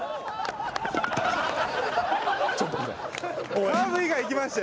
ちょっと待て。